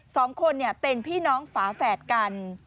สองคนเป็นพี่น้องฝาแฝดกัน